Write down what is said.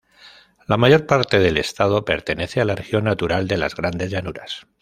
La mayor parte del estado pertenece a la región natural de las Grandes Llanuras.